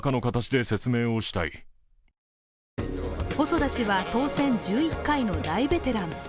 細田氏は当選１１回の大ベテラン。